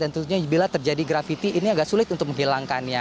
tentunya bila terjadi grafiti ini agak sulit untuk menghilangkannya